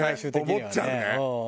思っちゃうねうん。